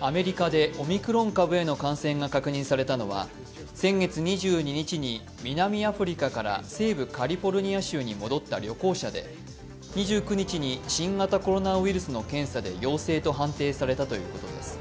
アメリカでオミクロン株への感染が確認されたのは先月２２日に南アフリカから西部カリフォルニア州に戻った旅行者で２９日に新型コロナウイルスの検査で陽性と判定されたということです。